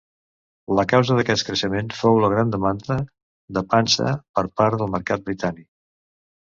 La causa d'aquest creixement fou la gran demanda de pansa per part del mercat britànic.